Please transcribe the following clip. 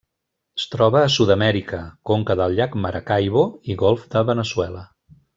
Es troba a Sud-amèrica: conca del llac Maracaibo i Golf de Veneçuela.